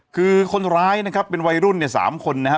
คือคนร้ายนะครับเป็นวัยรุ่นเนี่ย๓คนนะครับ